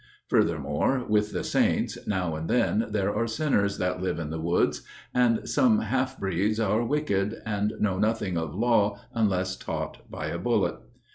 Furthermore, with the saints, now and then there are sinners That live in the woods; and some half breeds are wicked, And know nothing of law unless taught by a bullet.